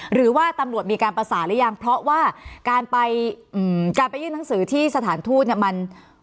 หรือว่าตำรวจมีการประสานหรือยังเพราะว่าการไปการไปยื่นหนังสือที่สถานทูตเนี่ยมัน